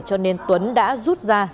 cho nên tuấn đã rút ra